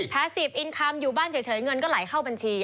สิบอินคำอยู่บ้านเฉยเงินก็ไหลเข้าบัญชี